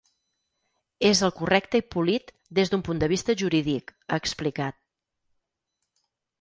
És el correcte i polit des d’un punt de vista jurídic, ha explicat.